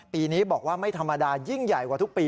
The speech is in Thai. ปีนี้บอกว่าไม่ธรรมดายิ่งใหญ่กว่าทุกปี